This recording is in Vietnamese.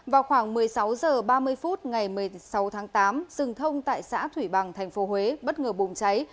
vào khoảng một mươi sáu h ba mươi phút ngày một mươi sáu tháng tám rừng thông tại xã thủy bằng tp huế bất ngờ bùng cháy